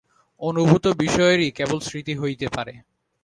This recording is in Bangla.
অনুভূত বিষয়েরই কেবল স্মৃতি হইতে পারে।